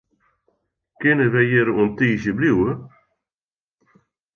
Kinne wy hjir oant tiisdei bliuwe?